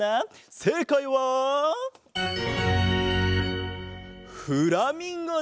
せいかいはフラミンゴだ。